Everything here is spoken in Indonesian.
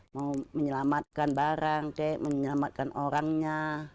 mau menyelamatkan barang menyelamatkan orangnya